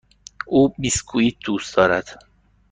او بیسکوییت دوست دارد.